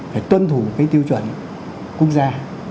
phải tuân thủ cái tiêu chuẩn quốc gia